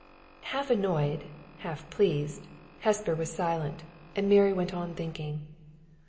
Half annoyed, half pleased, Hesper was silent, and Mary went on thinking.